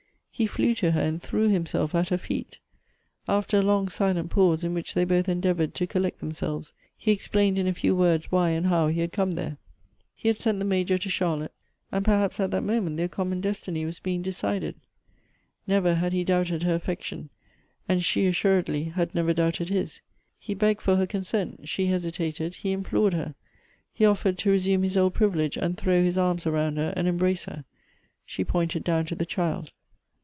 He flew to her, and threw himself at her feet. After a long, silent pause, in which they both endeavored to collect themselves, he explained in a few words why and how he had come tliere. He had sent the Major to Charlotte ; and perhaps Elective Affinities. 277 at that moment their common destiny was being decided. Never had he doubted her affection, and she assuredly had never doubted his. He begged for her consent ; slie hesitated ; he implored her. He offered to resume his old privilege, and throw his arms around her, and embrace her ; she pointed down to the child.